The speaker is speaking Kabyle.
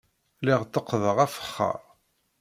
Lliɣ tteqqdeɣ afexxar.